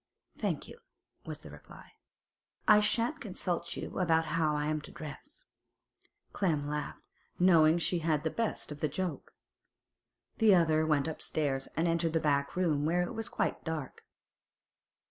'Thank you,' was the reply. 'I shan't consult you about how I'm to dress.' Clem laughed, knowing she had the best of the joke. The other went upstairs, and entered the back room, where it was quite dark.